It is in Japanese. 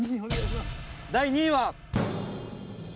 第２位は。